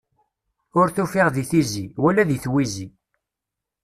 Ur t-ufiɣ di tizi, wala di twizi.